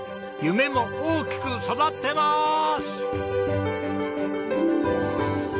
夢も大きく育ってまーす！